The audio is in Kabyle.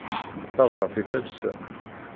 Tabrat i talsa.